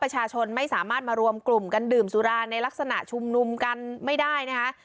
ประชาชนไม่สามารถมารวมกลุ่มกันดื่มสุราในลักษณะชุมนุมกันไม่ได้นะคะ